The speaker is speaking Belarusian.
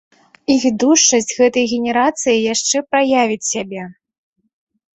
І відушчасць гэтай генерацыі яшчэ праявіць сябе.